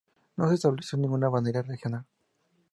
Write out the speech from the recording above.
No se estableció ninguna bandera regional.